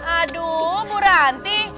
aduh bu ranti